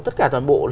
tất cả toàn bộ